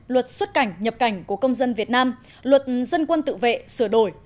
luật xuất cảnh nhập cảnh của công dân việt nam luật dân quân tự vệ sửa đổi